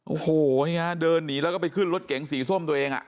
โอ้โหนี่ฮะเดินหนีแล้วก็ไปขึ้นรถเก๋งสีส้มตัวเอง